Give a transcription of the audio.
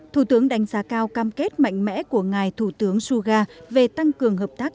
thủ tướng đánh giá cao cam kết mạnh mẽ của ngài thủ tướng suga về tăng cường hợp tác